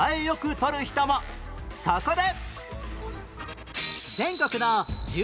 そこで